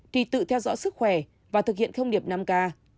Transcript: thì tự theo dõi sức khỏe và thực hiện thông điệp năm k